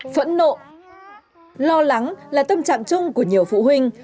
phẫn nộ lo lắng là tâm trạng chung của nhiều phụ huynh